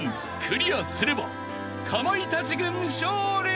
クリアすればかまいたち軍勝利！］